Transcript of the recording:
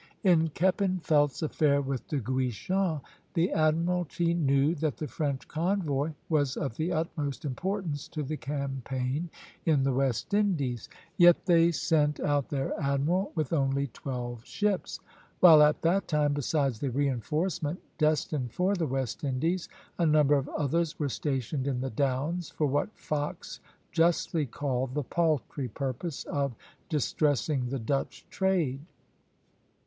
In Kempenfeldt's affair with De Guichen, the admiralty knew that the French convoy was of the utmost importance to the campaign in the West Indies, yet they sent out their admiral with only twelve ships; while at that time, besides the reinforcement destined for the West Indies, a number of others were stationed in the Downs, for what Fox justly called "the paltry purpose" of distressing the Dutch trade.